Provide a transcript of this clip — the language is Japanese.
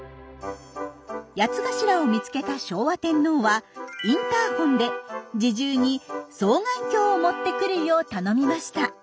ヤツガシラを見つけた昭和天皇はインターホンで侍従に双眼鏡を持ってくるよう頼みました。